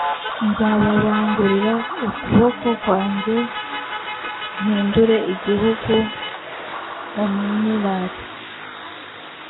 nzababangurira ukuboko kwanjye y mpindure igihugu umwirare